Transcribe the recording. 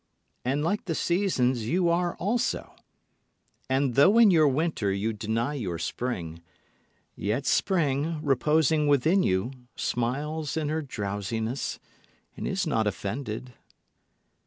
And like the seasons you are also, And though in your winter you deny your spring, Yet spring, reposing within you, smiles in her drowsiness and is not offended.